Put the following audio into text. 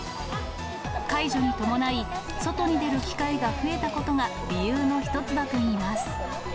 解除に伴い、外に出る機会が増えたことが、理由の一つだといいます。